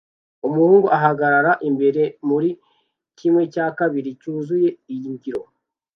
Umuhungu ahagarara imbere muri kimwe cya kabiri cyuzuye iglo